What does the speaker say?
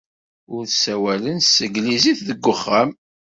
Ur ssawalen s tanglizit deg wexxam.